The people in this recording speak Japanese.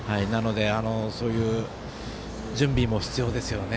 そういう準備も必要ですよね。